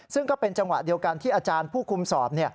ซึ่งก็เป็นจังหวะเดียวกันที่อาจารย์ผู้คุมสอบ